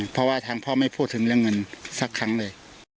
เพราะว่าทางพ่อไม่พูดถึงเรื่องเงินสักครั้งเลย